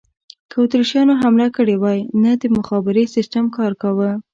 که اتریشیانو حمله کړې وای، نه د مخابرې سیسټم کار کاوه.